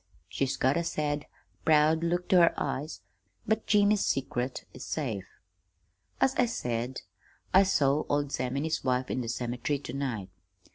She's got a sad, proud look to her eyes, but Jimmy's secret is safe. "As I said, I saw old Sam an' his wife in the cemetery to night.